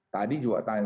tadi juga tanya